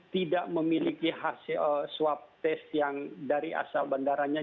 tidak memiliki swab test yang dari asal bandaranya